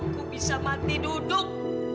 aku bisa mati duduk